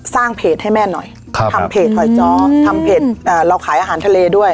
สร้างเพจให้แม่หน่อยทำเพจหอยจ้อทำเพจเราขายอาหารทะเลด้วย